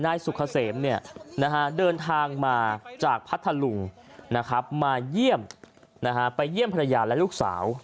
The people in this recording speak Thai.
นายสุกเกษมเดินทางมาจากภาษลุงเผื่องข้างมาเยี่ยมพรรณยาและลูกสาว